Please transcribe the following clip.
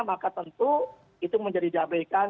maka tentu itu menjadi dabekan